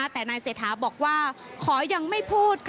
แต่นายเศรษฐาบอกว่าขอยังไม่พูด